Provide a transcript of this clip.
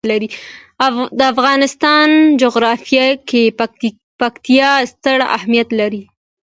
د افغانستان جغرافیه کې پکتیا ستر اهمیت لري.